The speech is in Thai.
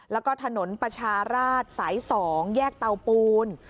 แล้วก็ถนนประชาราชสาย๒แยกเตาปูน